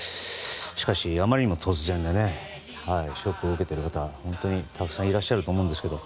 しかし、あまりにも突然でショックを受けている方本当にたくさんいらっしゃると思うんですけど。